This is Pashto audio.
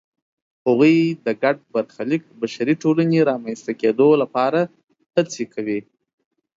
هغوی د ګډ برخلیک بشري ټولنې رامنځته کېدو لپاره هڅې کوي.